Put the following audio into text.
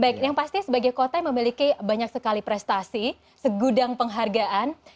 baik yang pasti sebagai kota yang memiliki banyak sekali prestasi segudang penghargaan